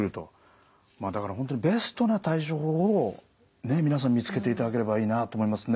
まあだから本当にベストな対処法を皆さん見つけていただければいいなと思いますね。